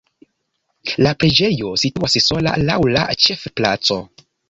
La preĝejo situas sola laŭ la ĉefplaco.